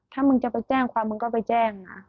ถ้ามึงจะไปแจ้งความมึงก็ไปแจ้งนะ